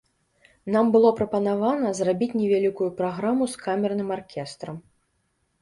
Нам было прапанавана зрабіць невялікую праграму з камерным аркестрам.